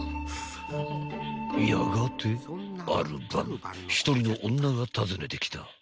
［やがてある晩一人の女が訪ねてきた］